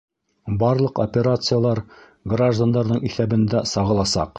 Барлыҡ операциялар граждандарҙың иҫәбендә сағыласаҡ.